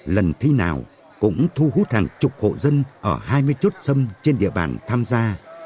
lần thi nào cũng thu hút hàng chục hộ dân ở hai mươi chốt sâm trên địa bàn tham gia